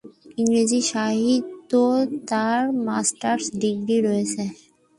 ইংরেজি সাহিত্যে তার মাস্টার ডিগ্রি রয়েছে।